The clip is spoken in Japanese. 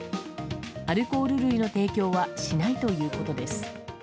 アルコール類の提供はしないということです。